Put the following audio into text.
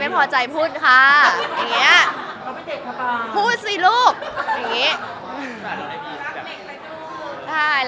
แสดงว่าถ้ามีครุฟเราสามารถปฏิบัติการ